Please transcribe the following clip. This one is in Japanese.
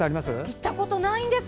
行ったことないんです。